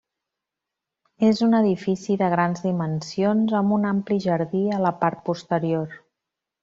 És un edifici de grans dimensions, amb un ampli jardí a la part posterior.